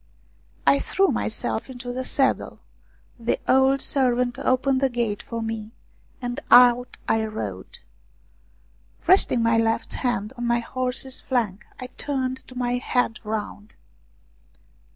I threw myself into the saddle, the old servant opened the gate for me, and out I rode. Resting my left hand on my horse's flank, I turned my head round.